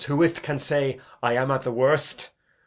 Who is't can say 'I am at the worst'?